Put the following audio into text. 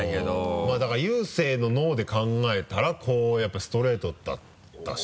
まぁだからゆうせいの脳で考えたらこうやっぱストレートだったし。